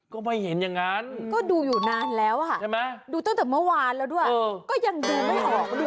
ก็ไม่เห็นอย่างนั้นก็ดูอยู่นานแล้วอ่ะใช่ไหมดูตั้งแต่เมื่อวานแล้วด้วยก็ยังดูไม่ออกด้วย